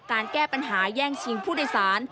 การแก้ปัญหาแย่งชิงผู้โดยสาร